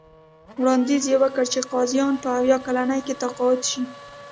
وړاندیز یې وکړ چې قاضیان په اویا کلنۍ کې تقاعد شي.